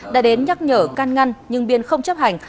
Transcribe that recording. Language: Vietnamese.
đã đến nhắc nhở can ngăn nhưng biên không chấp hành